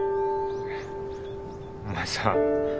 お前さ